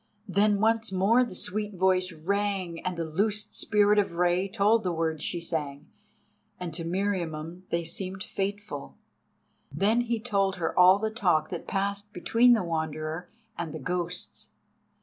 Then once more the sweet voice rang and the loosed Spirit of Rei told the words she sang, and to Meriamun they seemed fateful. Then he told her all the talk that passed between the Wanderer and the ghosts.